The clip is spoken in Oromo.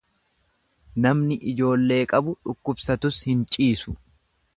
Namni ijoollee qabu dhukkubsatus hin ciisu.